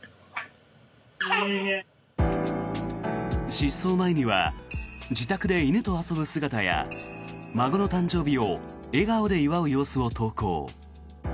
失踪前には自宅で犬と遊ぶ姿や孫の誕生日を笑顔で祝う様子を投稿。